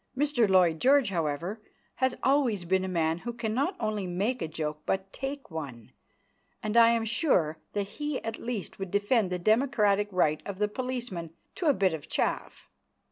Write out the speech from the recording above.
Mr Lloyd George, however, has always been a man who can not only make a joke but take one, and I am sure that he at least would defend the democratic right of the policeman to a bit of chaff.